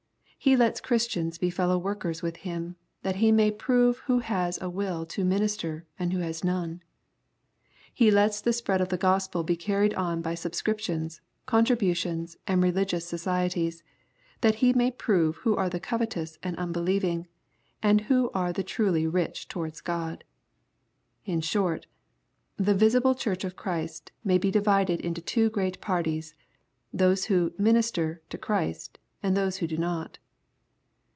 He lets Christians be fellow workers with Him, that He may prove who has a will to "minister" and who has none. He lets the spread of the Gospel be carried on by sub scriptions, contributions, and religious Societies, that He may prove who are the covetous and unbelieving, and who are the truly "rich towards God." In short, the visible Church of Christ may be divided into two great parties, those who "minister" to Christ, and those who do not.